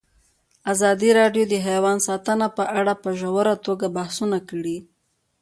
ازادي راډیو د حیوان ساتنه په اړه په ژوره توګه بحثونه کړي.